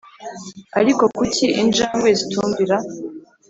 Ariko kucyi injangwe zitumvira